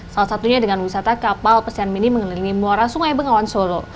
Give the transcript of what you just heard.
salah satunya dengan wisata kapal pesiar mini mengelilingi muara sungai bengawan solo